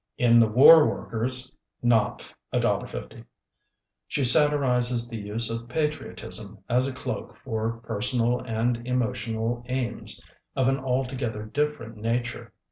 In The War Workers (Knopf; $1.50), she satirizes the use of patriotism as a cloak for personal and emotional aims of an altogether different nature.